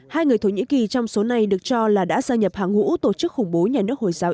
hai người thổ nhĩ kỳ trong số này được cho là đã gia nhập hàng ngũ tổ chức khủng bố